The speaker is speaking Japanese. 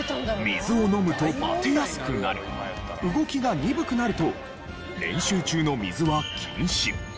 水を飲むとバテやすくなる動きが鈍くなると練習中の水は禁止。